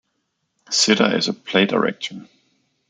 Sidda is a play director.